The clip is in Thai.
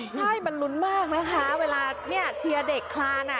ใช่มันลุ้นมากนะคะเวลาเนี่ยเชียร์เด็กคลาน